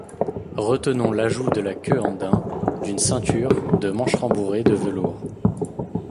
Retenons l'ajout de la queue en daim, d'une ceinture, de manches rembourrées de velours.